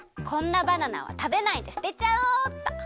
こんなバナナは食べないですてちゃおうっと。